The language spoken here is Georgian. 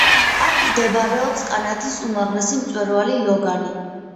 აქ მდებარეობს კანადის უმაღლესი მწვერვალი ლოგანი.